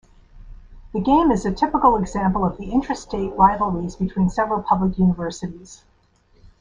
The game is a typical example of the intrastate rivalries between several public universities.